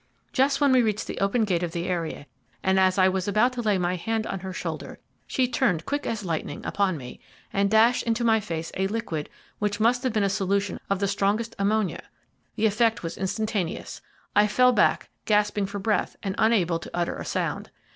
"Just when we reached the open gate of the area, and as I was about to lay my hand on her shoulder, she turned quick as lightning upon me, and dashed into my face a liquid which must have been a solution of the strongest ammonia. The effect was instantaneous. I fell back gasping for breath, and unable to utter a sound.